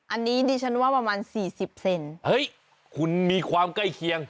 อันนี้ดิฉันว่าประมาณสี่สิบเซนเฮ้ยคุณมีความใกล้เคียง